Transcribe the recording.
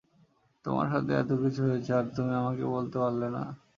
তোমার সাথে এত কিছু হয়েছে আর তুমি আমাকে বলতে পারলে না?